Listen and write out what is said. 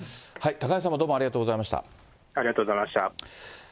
高橋さんもどうもありがとうござありがとうございました。